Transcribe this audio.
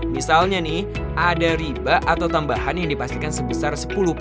misalnya nih ada riba atau tambahan yang dipastikan sebesar sepuluh